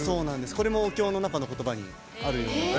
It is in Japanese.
これもお経の中の言葉にある。